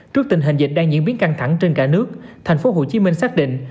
trước tình hình dịch đang diễn biến căng thẳng trên cả nước thành phố hồ chí minh xác định